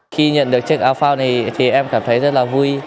khi nhận được chiếc áo phao này thì em cảm thấy rất là vui